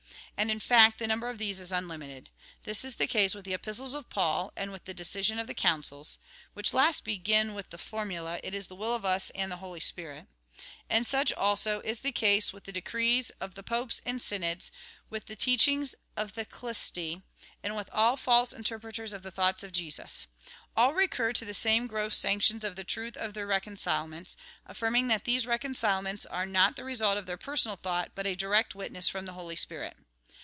And, in fact, the number of these is unlimited. This is the case with the Epistles of Paul, and with the decisions of the Councils (which last begin with the formula :" It is the will of us and the Holy Spirit "); and such, also, is the case with the 12 THE GOSPEL IN BRIEF decrees of popes and synods, with the teachings of the Khlysty,^ and with all false interpreters of the thought of Jesus. All recur to the same gross sanctions of the truth of their reconcilements, affirming that these reconcilements are not the result of their personal thought, but a direct witness from the Holy Spirit.